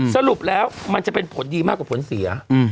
สรุปแล้วมันจะเป็นผลดีมากกว่าผลเสีย